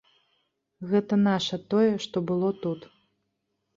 Гэта наша, тое, што было тут.